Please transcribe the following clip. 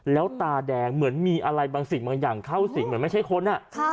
แล้วตาแดงเหมือนมีอะไรบางสิ่งบางอย่างเข้าสิงเหมือนไม่ใช่คน